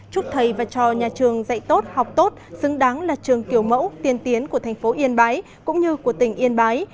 chúc thầy và cho nhà trường dạy tốt học tốt xứng đáng là trường kiểu mẫu tiên tiến của thành phố yên bái cũng như của tỉnh yên bái